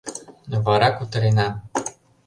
Вара кутырена...